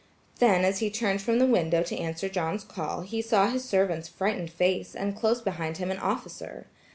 Then as he turned from the window to answer John's call, he saw his servant's frightened face, and close behind him an officer.